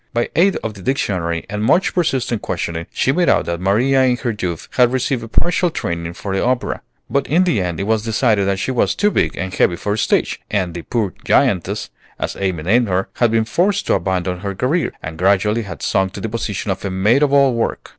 By aid of the dictionary and much persistent questioning, she made out that Maria in her youth had received a partial training for the opera; but in the end it was decided that she was too big and heavy for the stage, and the poor "giantess," as Amy named her, had been forced to abandon her career, and gradually had sunk to the position of a maid of all work.